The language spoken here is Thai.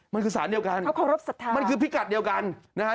มันคือสารเดียวกันมันคือพิกัดเดียวกันนะฮะขอรับศรัทธา